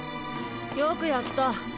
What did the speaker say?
よくやった。